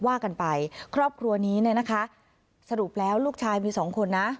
ว่ากันไปครอบครัวนี้เนี่ยนะคะสรุปแล้วลูกชายมีสองคนนะ